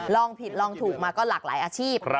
ลองผิดลองถูกมาก็หลากหลายอาชีพ